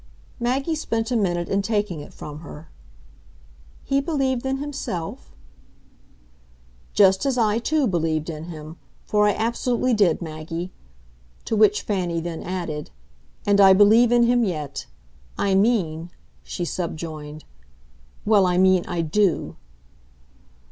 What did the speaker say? Maggie spent a minute in taking it from her. "He believed in himself?" "Just as I too believed in him. For I absolutely did, Maggie." To which Fanny then added: "And I believe in him yet. I mean," she subjoined "well, I mean I DO."